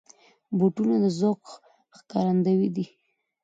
بوټونه د ذوق ښکارندوی دي.